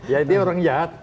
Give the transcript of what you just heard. ya ini orang jahat